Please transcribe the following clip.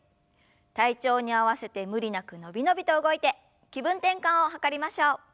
体調に合わせて無理なく伸び伸びと動いて気分転換を図りましょう。